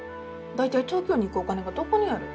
大体東京に行くお金がどこにある？